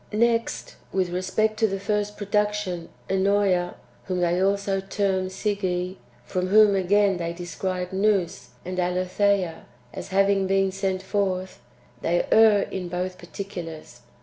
2. Next, with respect to the first production Ennosa, whom they also term Slge, from whom again they describe Nous and Aletheia as having been sent forth, they err in both particulars.